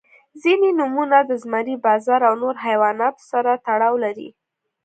• ځینې نومونه د زمری، باز او نور حیواناتو سره تړاو لري.